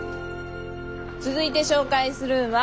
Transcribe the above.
続いて紹介するんは。